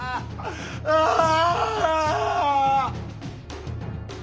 ああ！